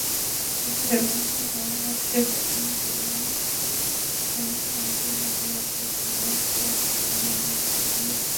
এবারের বাংলা নববর্ষের প্রথম দিনে সেন্ট মার্টিনে বেড়াতে গিয়ে চারজনের মর্মান্তিক মৃত্যু হয়েছে।